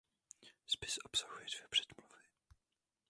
Spis obsahuje dvě předmluvy.